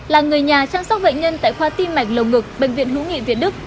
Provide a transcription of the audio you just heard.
là người nhà chăm sóc bệnh nhân tại khoa tim mạch lồng ngực bệnh viện hữu nghị việt đức